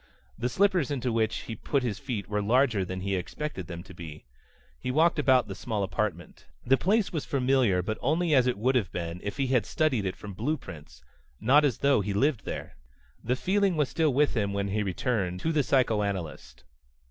The slippers into which he put his feet were larger than he had expected them to be. He walked about the small apartment. The place was familiar, but only as it would have been if he had studied it from blueprints, not as though he lived there. The feeling was still with him when he returned to the psychoanalyst.